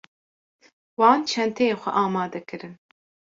Wan çenteyê xwe amade kirin.